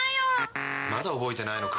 まだ覚えてないのか。